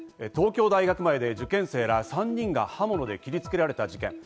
東京大学前で受験生ら３人が刃物で切りつけられた事件。